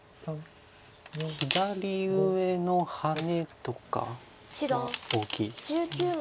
左上のハネとかが大きいですか。